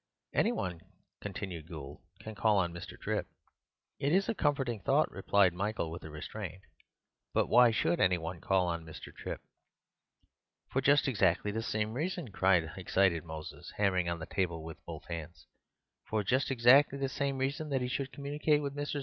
"Any one," continued Gould, "can call on Mr. Trip." "It is a comforting thought," replied Michael with restraint; "but why should any one call on Mr. Trip?" "For just exactly the sime reason," cried the excited Moses, hammering on the table with both hands, "for just exactly the sime reason that he should communicate with Messrs.